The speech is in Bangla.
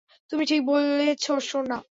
তুমি ঠিক বলেছ সোনা।